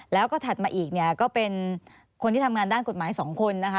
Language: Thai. แล้วก็ถัดมาอีกเนี่ยก็เป็นคนที่ทำงานด้านกฎหมาย๒คนนะคะ